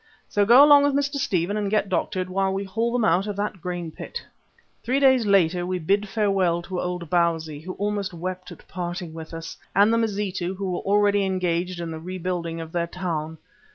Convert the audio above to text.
So go along with Mr. Stephen and get doctored while we haul them out of that grain pit." Three days later we bid farewell to old Bausi, who almost wept at parting with us, and the Mazitu, who were already engaged in the re building of their town.